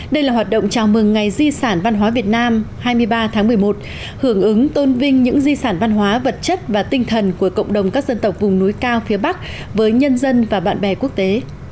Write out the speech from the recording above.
đây là hoạt động chào mừng ngày di sản văn hóa việt nam hai mươi ba tháng một mươi một hưởng ứng tôn vinh những di sản văn hóa vật chất và tinh thần của cộng đồng các dân tộc vùng núi cao phía bắc với nhân dân và bạn bè quốc tế